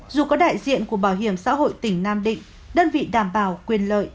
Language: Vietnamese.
dù có đại diện của bảo hiểm xã hội tỉnh nam định đơn vị đảm bảo quyền lợi